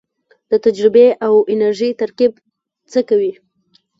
د تجربې او انرژۍ ترکیب څه کوي؟